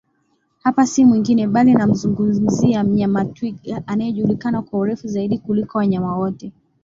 Hapa si mwingine bali namzungumzia mnyama Twiga anaejulikana kwa urefu Zaidi kuliko wanyama wote